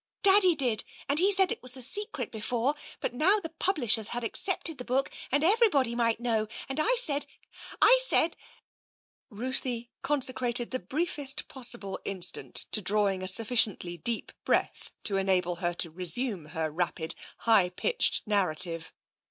^" Daddy did, and he said it was a secret before, but §3 now the publishers had accepted the book and every ^ body might know, and I said — I said "^ J 2 TENSION Ruthie consecrated the briefest possible instant to drawing a sufficiently deep breath to enable her to re sume her rapid, high pitched narrative.